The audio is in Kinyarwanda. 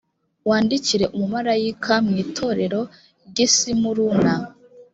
wandikire umumarayikam w itorero ry i simuruna